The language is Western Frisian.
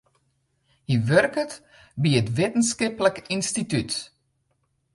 Hy wurket by in wittenskiplik ynstitút.